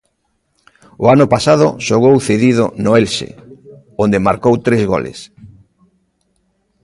O ano pasado xogou cedido no Elxe, onde marcou tres goles.